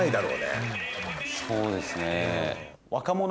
そうですね。